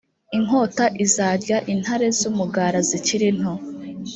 inkota izarya intare z’umugara zikiri nto